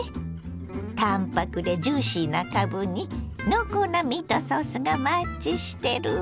淡泊でジューシーなかぶに濃厚なミートソースがマッチしてるわ。